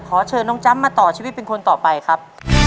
ขอเชิญน้องจ้ำมาต่อชีวิตเป็นคนต่อไปครับ